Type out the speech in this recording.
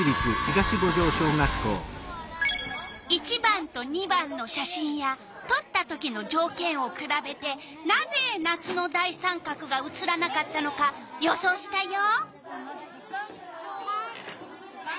１番と２番の写真やとった時のじょうけんをくらべてなぜ夏の大三角が写らなかったのか予想したよ。